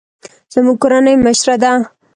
زموږ کورنۍ مشره ده